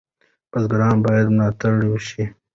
بزګران باید ملاتړ شي.